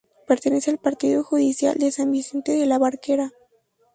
Pertenece al partido judicial de San Vicente de la Barquera.